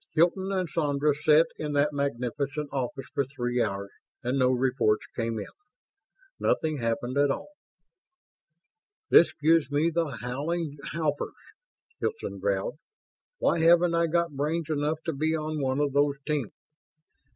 Hilton and Sandra sat in that magnificent office for three hours, and no reports came in. Nothing happened at all. "This gives me the howling howpers!" Hilton growled. "Why haven't I got brains enough to be on one of those teams?"